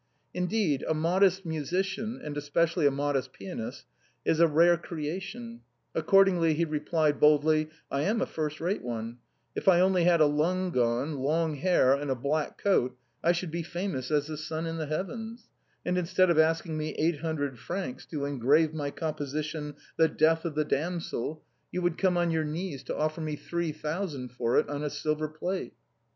Indeed, a modest musician, and especially a modest pianist, is a rare creature. Ac cordingly he replied boldly: " I am a first rate one ; if I only had a lung gone, long hair, and a black coat, I should be famous as the sun in the heavens ; and instead of asking me eight hundred francs to engrave my composition ' The Death of the Damsel,' you would come on your knees to offer me three thousand for it on a silver plate."